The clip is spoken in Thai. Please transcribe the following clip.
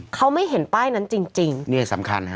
เขาไม่เห็นป้ายนั้นจริงนี่สำคัญค่ะ